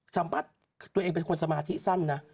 สัมผัสตัวเองเป็นคนสมาธิสั้นนะ